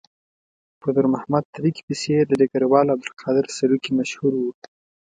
په نور محمد تره کي پسې یې د ډګروال عبدالقادر سروکي مشهور وو.